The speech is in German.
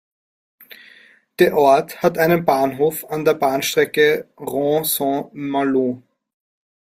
Der Ort hat einen Bahnhof an der Bahnstrecke Rennes–Saint-Malo.